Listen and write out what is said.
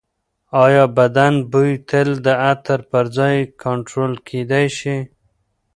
ایا بدن بوی تل د عطر پرځای کنټرول کېدی شي؟